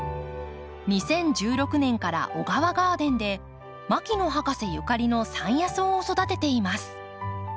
２０１６年からＯＧＡＷＡガーデンで牧野博士ゆかりの山野草を育てています。